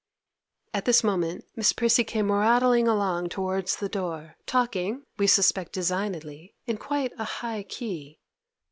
At this moment Miss Prissy came rattling along towards the door, talking, we suspect designedly, in quite a high key.